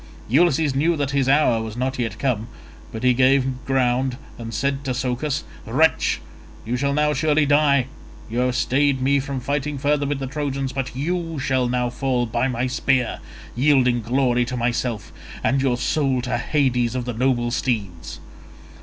Ulysses knew that his hour was not yet come, but he gave ground and said to Socus, "Wretch, you shall now surely die. You have stayed me from fighting further with the Trojans, but you shall now fall by my spear, yielding glory to myself, and your soul to Hades of the noble steeds."